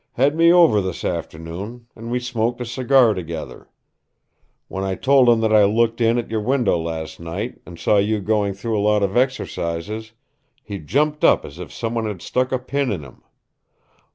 Had me over this afternoon, and we smoked a cigar together. When I told him that I looked in at your window last night and saw you going through a lot of exercises, he jumped up as if some one had stuck a pin in him.